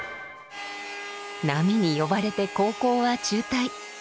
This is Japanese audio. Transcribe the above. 波に呼ばれて高校は中退。